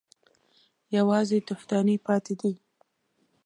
_يوازې تفدانۍ پاتې دي.